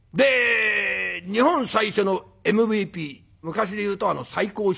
日本最初のＭＶＰ昔で言うと最高殊勲選手。